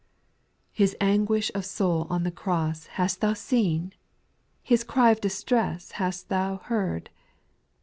4. His anguish of soul on the cross hast thou seen ? His cry of distress hast thou heard